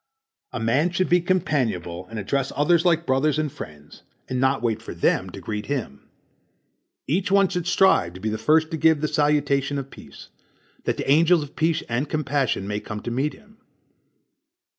A man should be companionable, and address others like brothers and friends, and not wait for them to greet him. Each one should strive to be the first to give the salutation of peace, that the angels of peace and compassion may come to meet him.